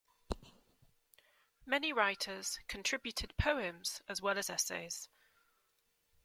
Many writers contributed poems as well as essays.